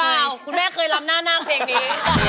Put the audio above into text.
อ้าวคุณแม่เคยล้ำหน้าเพลงนี้